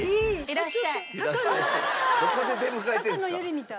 どこで出迎えてんすか。